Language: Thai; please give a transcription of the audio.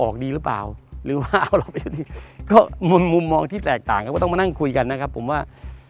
ก็ต้องมานั่งคุยกันนะครับผมว่า